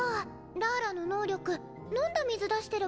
ラーラの能力飲んだ水出してるわけじゃないので。